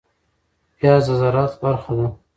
پياز د زراعت برخه ده